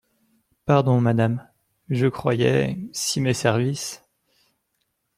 Pardon, madame… je croyais… si mes services…